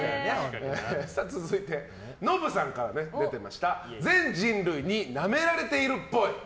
続いて、ノブさんから出てました全人類になめられているっぽい。